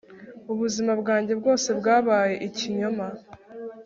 ubuzima bwanjye bwose bwabaye ikinyoma